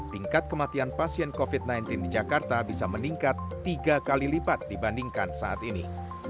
tingkat kematian pasien covid sembilan belas di jakarta bisa meningkat tiga kali lipat dibandingkan saat ini